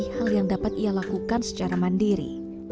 hal yang dapat ia lakukan secara mandiri